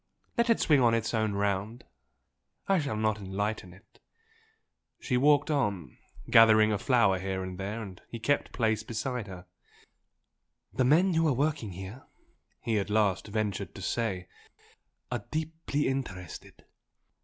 Let It swing on its own round I shall not enlighten it!" She walked on, gathering a flower here and there, and he kept pace beside her. "The men who are working here" he at last ventured to say "are deeply interested.